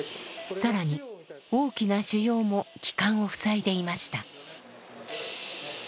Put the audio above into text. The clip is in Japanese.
更に大きな腫ようも気管を塞いでいました。